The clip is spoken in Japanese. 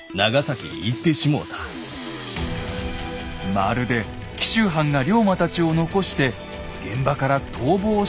まるで紀州藩が龍馬たちを残して現場から逃亡したかのような書きっぷり。